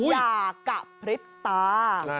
อย่ากะพริบตา